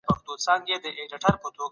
جګړه پیل شوه او افغانانو بریا ترلاسه کړه.